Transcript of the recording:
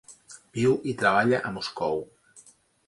Viu i treballa a Moscou.